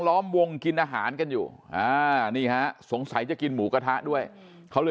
ล้อมวงกินอาหารกันอยู่นี่ฮะสงสัยจะกินหมูกระทะด้วยเขาเลย